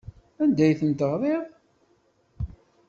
Anda ay ten-teɣriḍ?